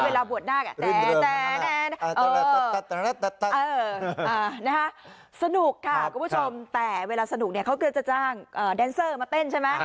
เวลาบวชนาคสนุกค่ะคุณผู้ชมแต่เวลาสนุกเนี่ยเขาก็จะจ้างแดนเซอร์มาเต้นใช่ไหม